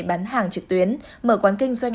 bán hàng trực tuyến mở quán kinh doanh